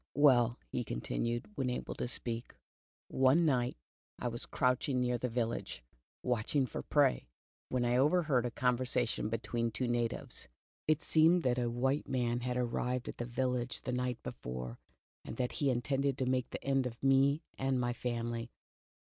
''Well," he continued, when able to speak, "one night I was crouching near the village, watching for prey, when I overheard a conversation between two natives. It seemed that a white The Tiger on the Hudson. 71 man had arrived at the villaore the niuht before, and that he intended to make an end of iiie and my family